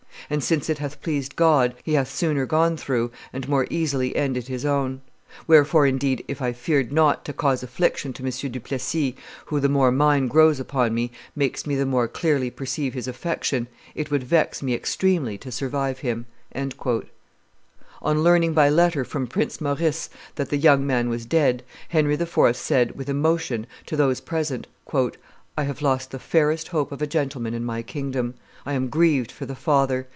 And, since it hath pleased God, he hath sooner gone through, and more easily ended his own. Wherefore, indeed, if I feared not to cause affliction to M. du Plessis, who, the more mine grows upon me, makes me the more clearly perceive his affection, it would vex me extremely to survive him." On learning by letter from Prince Maurice that the young man was dead, Henry IV. said, with emotion, to those present, "I have lost the fairest hope of a gentleman in my kingdom. I am grieved for the father.